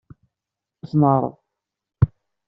Ad t-neɛreḍ.